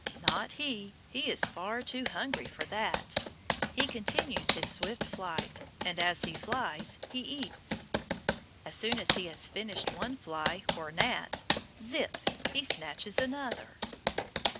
Not he, he is far too hungry for that; he continues his swift flight, and as he flies he eats. As soon as he has finished one fly or gnat, zip! he snatches another.